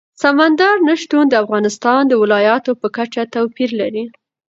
سمندر نه شتون د افغانستان د ولایاتو په کچه توپیر لري.